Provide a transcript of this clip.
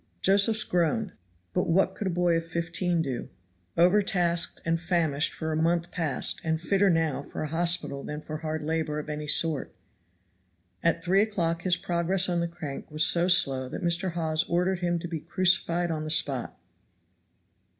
Josephs groaned; but what could a boy of fifteen do, overtasked and famished for a month past and fitter now for a hospital than for hard labor of any sort? At three o'clock his progress on the crank was so slow that Mr. Hawes ordered him to be crucified on the spot.